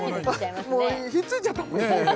もうひっついちゃったもんね